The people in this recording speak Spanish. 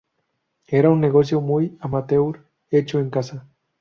Era un negocio muy amateur, hecho en casa".